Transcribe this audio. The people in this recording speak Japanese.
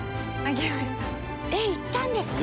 えっ行ったんですか？